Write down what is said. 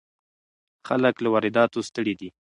خلک له وارداتو ستړي دي.